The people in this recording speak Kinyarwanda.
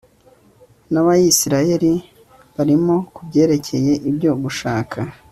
n'abisirayeli barimo, ku byerekeye ibyo gushaka